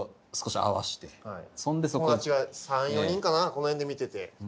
この辺で見てて。